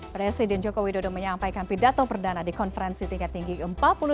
presiden jokowi dodo menyampaikan pidato perdana di konferensi tingkat tinggi ke empat puluh dua